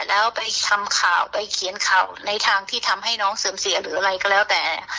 แล้วไปทำข่าวไปเขียนข่าวในทางที่ทำให้น้องเสื่อมเสียหรืออะไรก็แล้วแต่